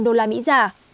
một trăm linh đô la mỹ giả